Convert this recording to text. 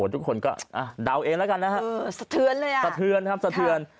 ทุกคนก็เดาเองแล้วกันนะครับสเทือนเลยอ่ะ